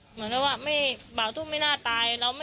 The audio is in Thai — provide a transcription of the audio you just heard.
เหมือนกับว่าบ่าวทุ่มไม่น่าตาย